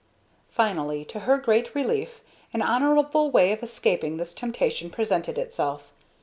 Finally, to her great relief, an honorable way of escaping this temptation presented itself.